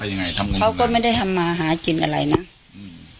ยังไงทำงานเขาก็ไม่ได้ทำมาหากินอะไรนะอืม